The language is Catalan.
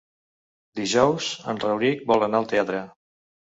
Dijous en Rauric vol anar al teatre.